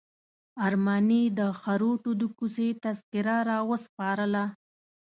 ارماني د خروټو د کوڅې تذکره راوسپارله.